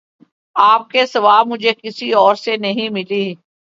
آپ کے سوا مجھے کسی اور سے نہیں ملی